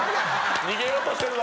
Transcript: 逃げようとしてるぞ！